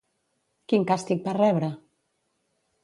Quin càstig va rebre?